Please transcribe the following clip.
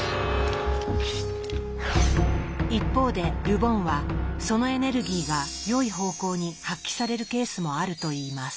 一方でル・ボンはそのエネルギーが良い方向に発揮されるケースもあるといいます。